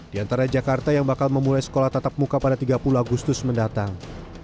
diantara jakarta yang bakal memulai sekolah tetap buka pada tiga puluh agustus mendatang